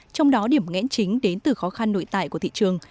trong đó điểm nghẽn chính đến từ khó khăn nội tại của thị trường